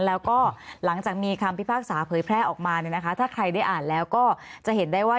แล้วก็หลังจากมีคำพิพากษาเผยแพร่ออกมาเนี่ยนะคะถ้าใครได้อ่านแล้วก็จะเห็นได้ว่า